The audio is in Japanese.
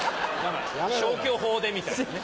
消去法でみたいなね。